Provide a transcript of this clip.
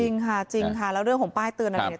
จริงค่ะจริงค่ะแล้วเรื่องของป้ายเตือนอะไรเนี่ย